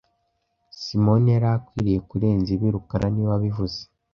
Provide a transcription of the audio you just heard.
Simoni yari akwiriye kurenza ibi rukara niwe wabivuze